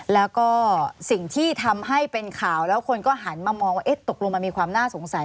แล้วก็สิ่งที่ทำให้เป็นข่าวแล้วคนก็หันมามองว่าตกลงมันมีความน่าสงสัย